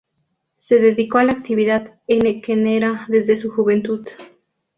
Se dedicó a la actividad henequenera desde su juventud.